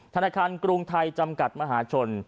ธนาคารกรุงไทยจำกัดมหาชน